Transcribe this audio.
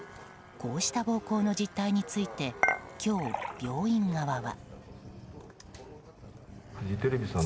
こうした暴行の実態について今日、病院側は。